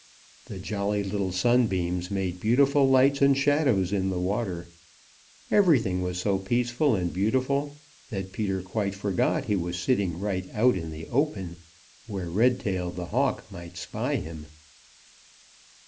The Jolly Little Sunbeams made beautiful lights and shadows in the water. Everything was so peaceful and beautiful that Peter quite forgot he was sitting right out in the open where Redtail the Hawk might spy him.